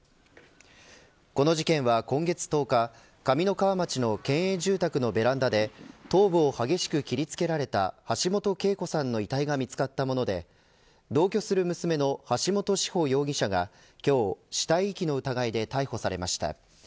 この事件は、今月１０日上三川町の県営住宅のベランダで頭部を激しく切りつけられた橋本啓子さんの遺体が見つかったもので同居する娘の橋本志穂容疑者が今日、死体遺棄の疑いで逮捕されました。